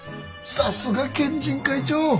さすが県人会長。